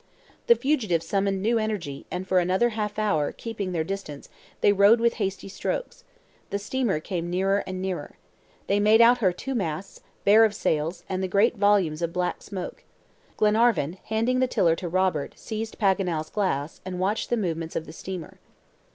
The fugitives summoned new energy, and for another half hour, keeping their distance, they rowed with hasty strokes. The steamer came nearer and nearer. They made out her two masts, bare of sails, and the great volumes of black smoke. Glenarvan, handing the tiller to Robert, seized Paganel's glass, and watched the movements of the steamer.